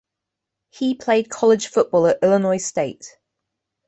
He played college football at Illinois State.